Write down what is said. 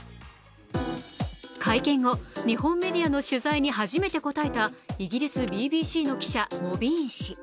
会見後、日本メディアの取材に初めて答えたイギリスＢＢの記者・モビーン氏。